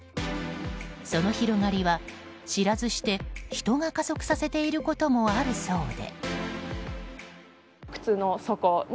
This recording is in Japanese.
その広がりは知らずして人が加速させていることもあるそうで。